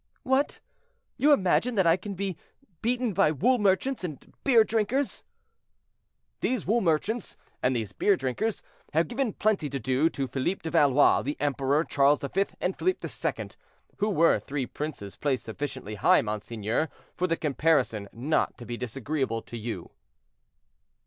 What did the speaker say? "What! you imagine that I can be beaten by wool merchants and beer drinkers?" "These wool merchants and these beer drinkers have given plenty to do to Philippe de Valois, the Emperor Charles V., and Philippe II., who were three princes placed sufficiently high, monseigneur, for the comparison not to be disagreeable to you."